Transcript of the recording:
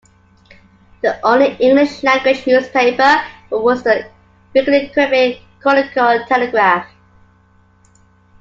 The only English-language newspaper was the weekly "Quebec Chronicle-Telegraph".